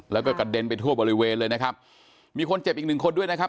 แล้วก็กระเด็นไปทั่วบริเวณเลยนะครับมีคนเจ็บอีกหนึ่งคนด้วยนะครับ